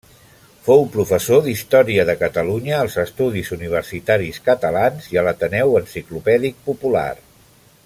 Fou professor d'història de Catalunya als Estudis Universitaris Catalans i a l'Ateneu Enciclopèdic Popular.